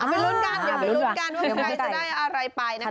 ไปรุ้นกันว่าไก่จะได้อะไรไปนะคะ